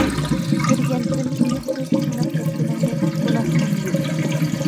كۆرگەنتىم تۇيۇقسىز سېنىڭ كەتكىنىڭنى گۇناھنى يۇيۇپ.